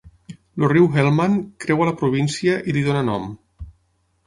El riu Helmand creua la província i li dóna nom.